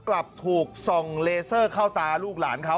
กลับถูกส่องเลเซอร์เข้าตาลูกหลานเขา